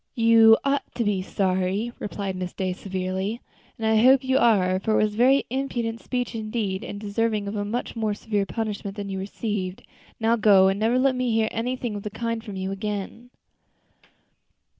"You ought to be sorry," replied Miss Day, severely, "and I hope you are; for it was a very impertinent speech indeed, and deserving of a much more severe punishment than you received. Now go, and never let me hear anything of the kind from you again."